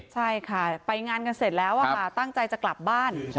ใช่ค่ะไปงานกันเสร็จแล้วค่ะตั้งใจจะกลับบ้าน